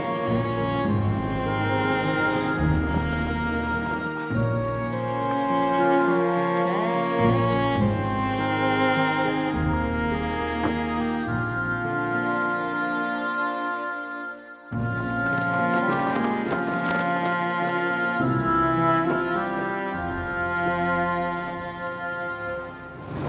yaudah balik aja gue